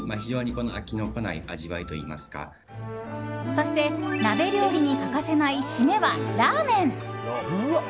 そして、鍋料理に欠かせない締めはラーメン。